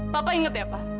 papa inget ya pak